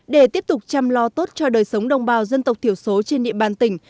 để tiếp tục chăm lo tốt cho đời sống đồng bào dân tộc thiểu số trên địa bàn tỉnh